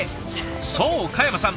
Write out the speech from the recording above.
そう嘉山さん